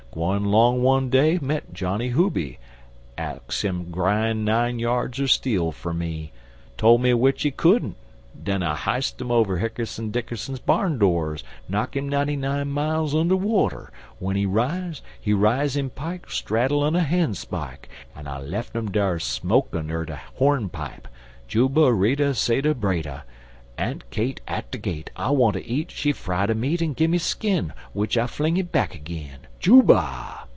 Gwine 'long one day, met Johnny Huby, ax him grine nine yards er steel fer me, tole me w'ich he couldn't; den I hist 'im over Hickerson Dickerson's barn doors; knock 'im ninety nine miles under water, w'en he rise, he rise in Pike straddle un a hanspike, en I lef' 'im dar smokin' er de hornpipe, Juba reda seda breda. Aunt Kate at de gate; I want to eat, she fry de meat en gimme skin, w'ich I fling it back agin. Juba!"